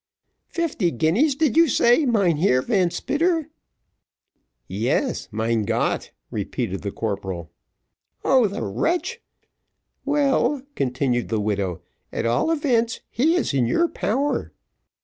"Fifty guineas, did you say, Mynheer Van Spitter?" "Yes, mein Gott!" repeated the corporal. "Oh, the wretch! well," continued the widow, "at all events he is in your power."